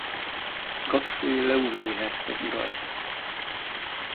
Godfrey leuveni herceg uralt.